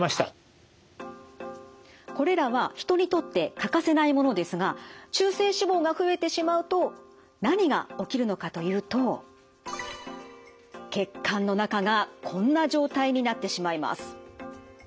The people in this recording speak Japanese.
これらは人にとって欠かせないものですが中性脂肪が増えてしまうと何が起きるのかというと血管の中がこんな状態になってしまいます。